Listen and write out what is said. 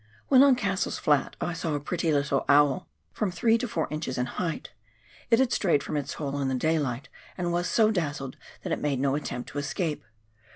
When on Cassell's Flat, I saw a pretty little owl, from three to four inches in height ; it had strayed from its hole in the daylight and was so dazzled that it made no attempt to escape.